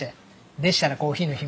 でしたらコーヒーの秘密